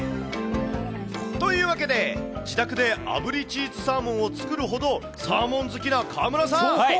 というわけで、自宅であぶりチーズサーモンを作るほど、サーモン好きな川村さん。